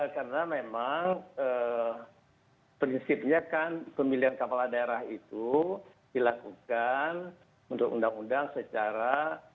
karena memang prinsipnya kan pemilihan kapal daerah itu dilakukan untuk undang undang secara